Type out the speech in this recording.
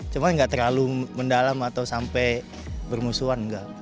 cuma gak terlalu mendalam atau sampai bermusuhan gak